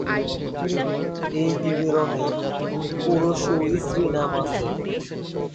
এই বিবরণে পুরুষ ও স্ত্রী নাম আছে।